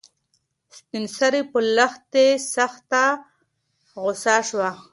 سپین سرې په لښتې سخته غوسه شوه.